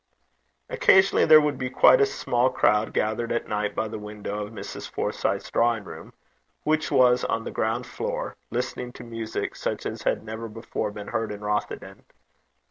Occasionally there would be quite a small crowd gathered at night by the window of Mrs. Forsyth's drawing room, which was on the ground floor, listening to music such as had never before been heard in Rothieden.